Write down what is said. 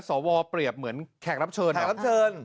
สอวร์เปรียบเหมือนแขกรับเชิญ